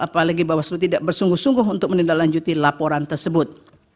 apalagi bawaslu tidak bersungguh sungguh untuk menindaklanjuti laporan tersebut